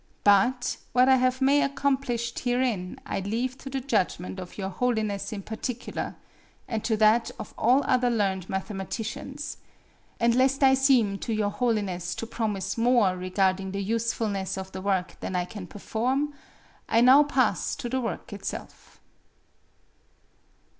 But what I may have accomplished herein I leave to the judgment of Your Holiness in particular, and to that of all other learned mathematicians; and lest I seem to Your Holiness to promise more regarding the usefulness of the work than I can perform, I now pass to the work itself.